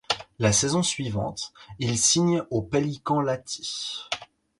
La saison suivante, il signe aux Pelicans Lahti.